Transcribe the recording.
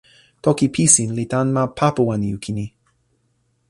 toki Pisin li tan ma Papuwanijukini.